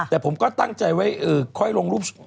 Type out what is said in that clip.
แต่ผมก็ตั้งใจไว้ค่อยลงรูป